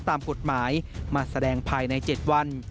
ตามกฎหมายมาแสดงภายใน๗วัน